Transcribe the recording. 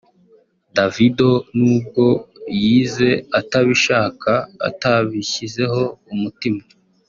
Davido nubwo yize atabishaka atabishyizeho umutima